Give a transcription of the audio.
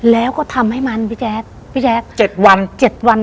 แล้วก็ทำให้มันพี่แจ๊ก๗วัน